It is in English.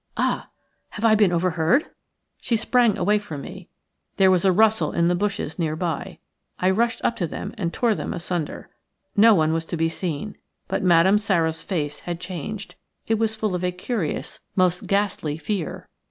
Ah! have I been overheard?" She sprang away from me. There was a rustle in the bushes near by. I rushed up to them and tore them asunder. No one was to be seen. But Madame Sara's face had changed. It was full of a curious, most ghastly fear.